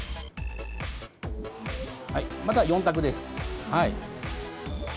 はいまた４択です。